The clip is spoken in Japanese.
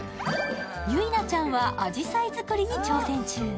ゆいなちゃんは紫陽花作りに挑戦中。